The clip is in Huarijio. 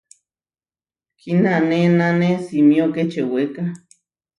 Kinanénane simió kečeweka.